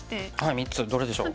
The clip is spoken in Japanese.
３つどれでしょう？